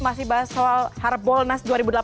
masih bahas soal harbolnas dua ribu delapan belas